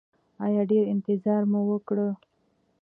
ایا ډیر انتظار مو وکړ؟